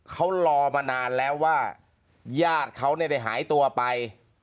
เขารอมานานแล้วว่าญาติเขาได้หายตัวไป